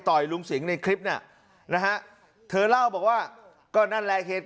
ลุงสิงห์ในคลิปน่ะนะฮะเธอเล่าบอกว่าก็นั่นแหละเหตุ